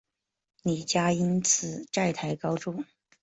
李家因此债台高筑。